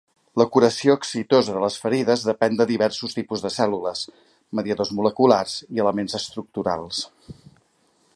La curació exitosa de les ferides depèn de diversos tipus de cèl·lules, mediadors moleculars i elements estructurals.